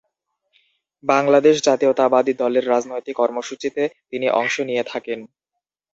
বাংলাদেশ জাতীয়তাবাদী দলের রাজনৈতিক কর্মসূচিতে তিনি অংশ নিয়ে থাকেন।